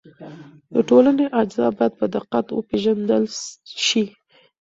د ټولنې اجزا باید په دقت وپېژندل شي.